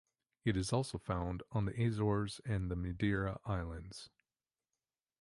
It is also found on the Azores and the Madeira Islands.